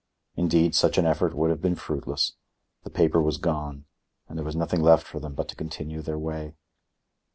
Indeed, such an effort would have been fruitless; the paper was gone, and there was nothing left for them but to continue their way.